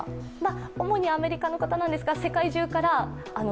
主にアメリカの方なんですが、世界中から。